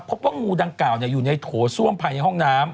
พบว่างูดังกล่าวอยู่ในโถส้วมภายในห้องน้ำ